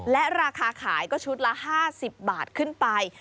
และราคาขายก็ชุดละ๕๐บาทขึ้นไป